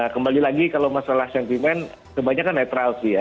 kembali lagi kalau masalah sentimen kebanyakan netral sih ya